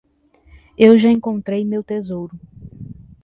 Eu já encontrei meu tesouro.